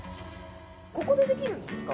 ここでできるんですか？